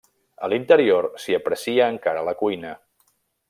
A l’interior s’hi aprecia encara la cuina.